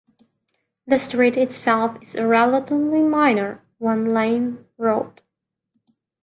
The street itself is a relatively minor, one-lane road.